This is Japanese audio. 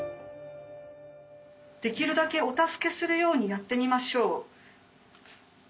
「できるだけお助けするようにやってみましょう」。